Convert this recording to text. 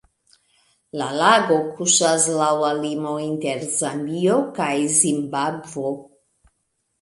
La lago kuŝas laŭ la limo inter Zambio kaj Zimbabvo.